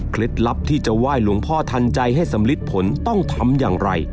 ลับที่จะไหว้หลวงพ่อทันใจให้สำลิดผลต้องทำอย่างไร